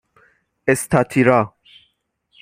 اِستاتیرا